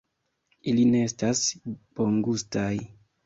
Ili ne estas bongustaj